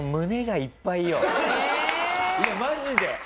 いやマジで！